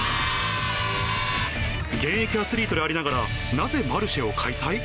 現役アスリートでありながら、なぜマルシェを開催？